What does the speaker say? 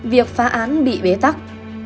việc phá án bị bế tắc